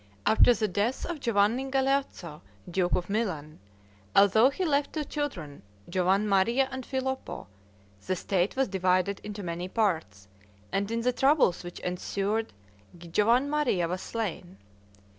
After the death of Giovanni Galeazzo, duke of Milan, although he left two children, Giovanmaria and Filippo, the state was divided into many parts, and in the troubles which ensued Giovanmaria was slain.